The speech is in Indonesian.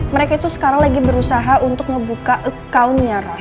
mereka itu sekarang lagi berusaha untuk ngebuka account nya roy